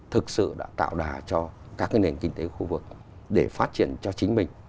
thực sự đã tạo đà cho các nền kinh tế khu vực để phát triển cho chính mình